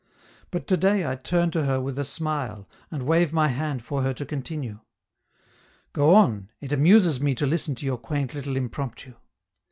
But to day I turn to her with a smile, and wave my hand for her to continue. "Go on, it amuses me to listen to your quaint little impromptu."